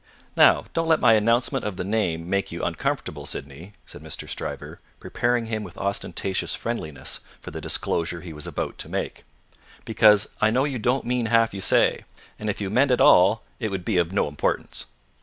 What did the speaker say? "Now, don't let my announcement of the name make you uncomfortable, Sydney," said Mr. Stryver, preparing him with ostentatious friendliness for the disclosure he was about to make, "because I know you don't mean half you say; and if you meant it all, it would be of no importance.